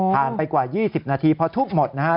ไปกว่า๒๐นาทีพอทุบหมดนะครับ